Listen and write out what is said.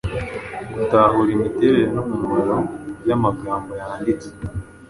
gutahura imiterere n’umumaro by’amagambo yanditse